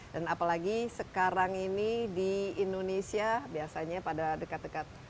dan apalagi sekarang ini di indonesia biasanya pada dekat dekat